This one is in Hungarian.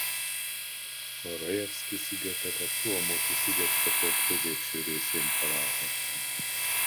A Raeffsky-szigetek a Tuamotu szigetcsoport középső részén található.